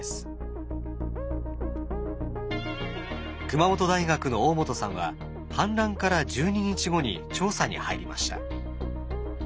熊本大学の大本さんは氾濫から１２日後に調査に入りました。